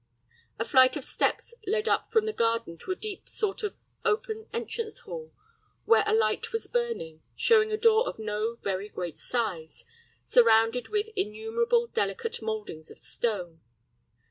A flight of steps led up from the garden to a deep sort of open entrance hall, where a light was burning, showing a door of no very great size, surrounded with innumerable delicate moldings of stone.